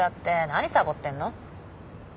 何サボってんの？